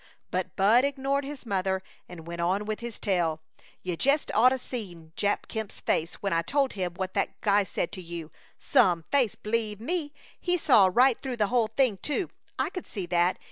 But Bud ignored his mother and went on with his tale. "You jest oughta seen Jap Kemp's face when I told him what that guy said to you! Some face, b'lieve me! He saw right through the whole thing, too. I could see that!